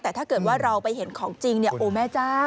แต่ถ้าเกิดว่าเราไปเห็นของจริงเนี่ยโอ้แม่จ้า